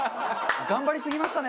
頑張りすぎましたね。